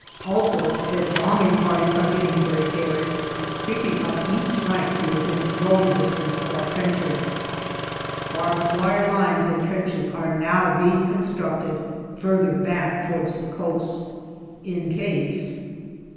Also their bombing parties are getting very daring, creeping up each night to within throwing distance of our trenches. 246 GALLIPOLI DIARY Barbed wire lines and trenches are now being constructed further back towards the coast in case